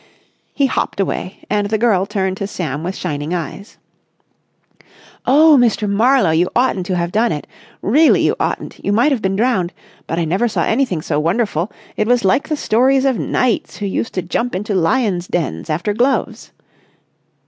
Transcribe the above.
He hopped away and the girl turned to Sam with shining eyes. "Oh, Mr. Marlowe, you oughtn't to have done it! Really, you oughtn't! You might have been drowned! But I never saw anything so wonderful. It was like the stories of knights who used to jump into lions' dens after gloves!"